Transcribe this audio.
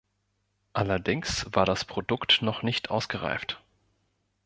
Allerdings war das Produkt noch nicht ausgereift.